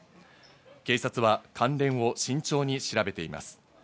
警察は関連を慎重に調べています。